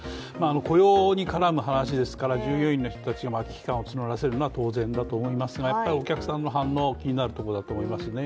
雇用に絡む話ですから従業員の方が危機感を募らせるのは当たり前なところですがやはりお客さんの反応が気になるところだと思いますね。